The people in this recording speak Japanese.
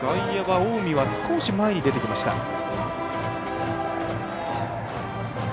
外野は近江は少し前に出てきました。